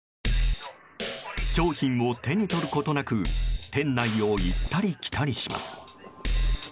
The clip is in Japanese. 商品を手に取ることなく店内を行ったり来たりします。